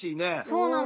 そうなの。